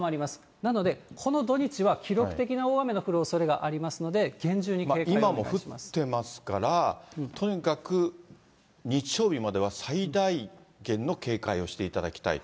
なので、この土日は記録的な大雨の降る可能性がありますので、厳重に警戒今も降ってますから、とにかく日曜日までは最大限の警戒をしていただきたいと。